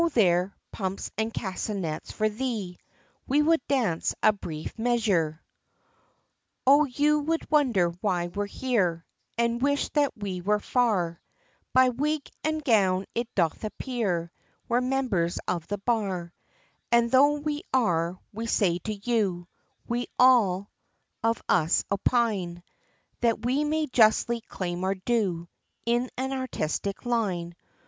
there, pumps and castanets for three, We would dance a brief measure. O YOU will wonder why we're here, And wish that we were far, By wig, and gown, it doth appear, We're members of the bar, And tho' we are, we say to you, We all of us opine, That we may justly claim our due, In an artistic line.